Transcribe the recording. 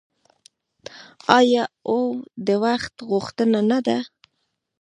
آیا او د وخت غوښتنه نه ده؟